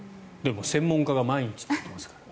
専門家が毎日って言ってますから。